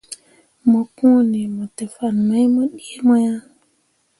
Mo kõoni mo te fah mai mu ɗii mo ah.